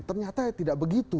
ternyata tidak begitu